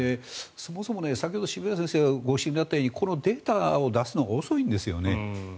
そもそも、先ほど渋谷先生がご指摘になったようにこのデータを出すのが遅いんですよね。